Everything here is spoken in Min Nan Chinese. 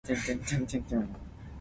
指頭仔